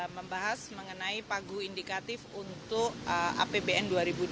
membahas mengenai pagu indikatif untuk apbn dua ribu dua puluh